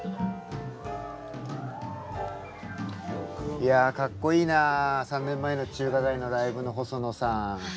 いやかっこいいなあ３年前の中華街のライブの細野さん。